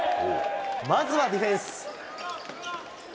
まずはディフェンス。